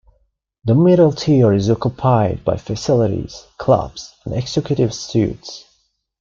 The middle tier is occupied by facilities, clubs, and executive suites.